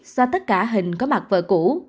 xoa tất cả hình có mặt vợ cũ